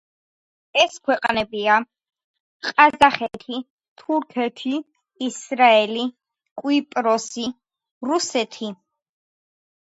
ეს ქვეყნებია: ყაზახეთი, თურქეთი, ისრაელი, კვიპროსი, რუსეთი.